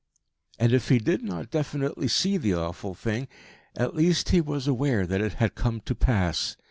And, if he did not definitely see the awful thing, at least he was aware that it had come to pass.